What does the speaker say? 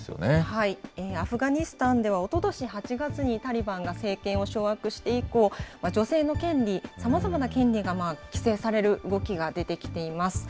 アフガニスタンではおととし８月にタリバンが政権を掌握して以降、女性の権利、さまざまな権利が規制される動きが出てきています。